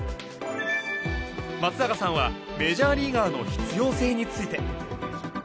松坂さんはメジャーリーガーの必要性について。